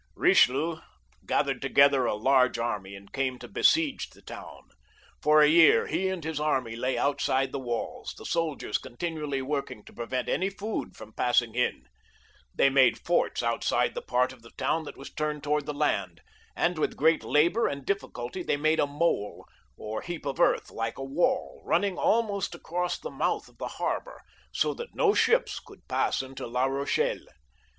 Bichelieu gathered together a large army, and came to besiege the town. For a year he and his army lay outside the waUs, the soldiers continually at work to prevent any food from passing in. They made forts outside the part of the town that was turned towards the land,^and with great labour and difficulty they made a mole or heap of earth like a wall, running almost across the mouth of the har bour, so that no ships could pass into La Bochelle.